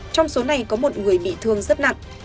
trong số này có một người bị thương rất nặng